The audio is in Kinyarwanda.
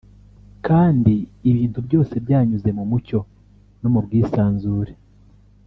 kandi ibintu byose byanyuze mu mucyo no mu bwisanzure